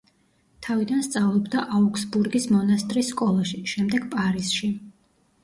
თავიდან სწავლობდა აუგსბურგის მონასტრის სკოლაში, შემდეგ პარიზში.